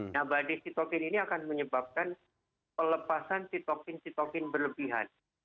nah badai sitokin ini akan menyebabkan pelepasan titokin sitokin berlebihan